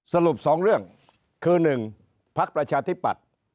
สรุปสองเรื่องคือหนึ่งภักดิ์ประชาธิปัตย์